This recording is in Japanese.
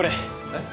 えっ？